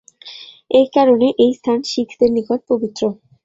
এই কারণে এই স্থান শিখদের নিকট পবিত্র।